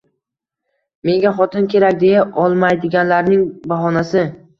Menga xotin kerak deya olmaydiganlarning bahonasi